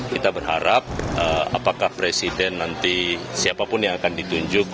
kita berharap apakah presiden nanti siapapun yang akan ditunjuk